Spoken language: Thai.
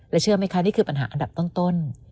เชื่อไหมคะนี่คือปัญหาอันดับต้น